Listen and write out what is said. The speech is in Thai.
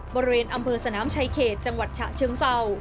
บริเวณอำเภอสนามชายเขตจังหวัดฉะเชิงเศร้า